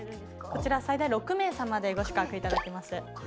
こちら最大６名さまでご宿泊いただけます。